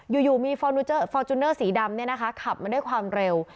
อยู่มีฟอร์จุนเนอร์สีดำเนี่ยนะคะขับมาด้วยความเร็ว